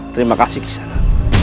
terima kasih kisahmu